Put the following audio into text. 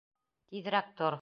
— Тиҙерәк тор!